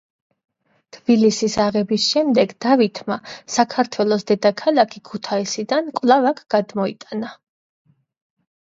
თბილისის აღების შემდეგ დავითმა საქართველოს დედაქალაქი ქუთაისიდან კვლავ აქ გადმოიტანა.